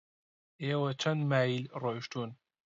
ئێوە چەند مایل ڕۆیشتوون؟